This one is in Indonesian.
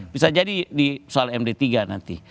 bisa jadi di soal md tiga nanti